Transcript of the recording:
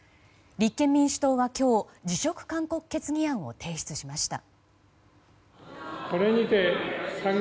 立憲民主党は今日辞職勧告決議案を提出しました。